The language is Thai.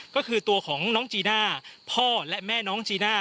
ก็คือตัวของน้องจีน่าพ่อและแม่น้องจีน่า